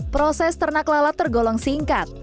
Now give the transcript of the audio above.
proses ternak lalat tergolong singkat